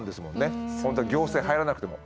本当は行政入らなくても。